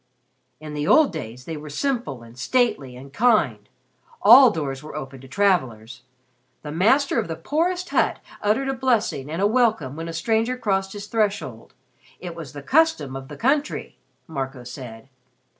"In the old days they were simple and stately and kind. All doors were open to travelers. The master of the poorest hut uttered a blessing and a welcome when a stranger crossed his threshold. It was the custom of the country," Marco said.